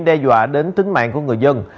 đe dọa đến tính mạng của người dân